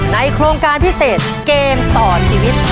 โครงการพิเศษเกมต่อชีวิต